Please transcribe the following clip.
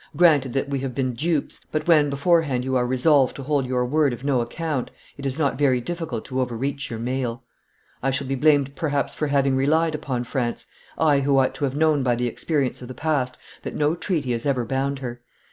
Granted that we have been dupes; but when, beforehand, you are resolved to hold your word of no account, it is not very difficult to overreach your mail. I shall be blamed perhaps for having relied upon France, I who ought to have known by the experience of the past that no treaty has ever bound her!